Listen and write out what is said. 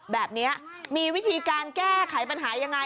แบบนี้มีวิธีการแก้ไขปัญหายังไง